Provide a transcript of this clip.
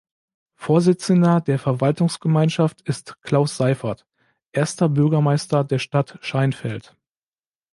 Vorsitzender der Verwaltungsgemeinschaft ist Claus Seifert, Erster Bürgermeister der Stadt Scheinfeld.